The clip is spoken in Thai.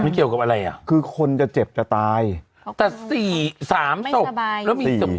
เกี่ยวกับอะไรอ่ะคือคนจะเจ็บจะตายแต่สี่สามศพสบายแล้วมีศพ